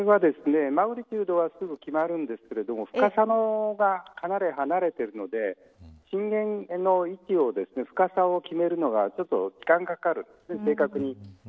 マグニチュードはすぐ決まるんですけど深さが、かなり離れているので震源の位置を、深さを決めるのがちょっと時間がかかる、正確に。